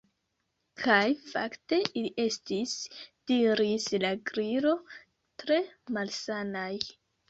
"Kaj fakte ili estis " diris la Gliro "tre malsanaj."